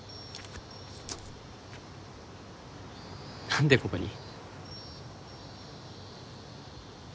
何でここに？